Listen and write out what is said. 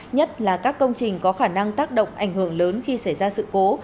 nhất là các công trình có khả năng tác động ảnh hưởng lớn khi xảy ra sự cố